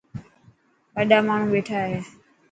وڏا ماڻهو ٻيٺا هي.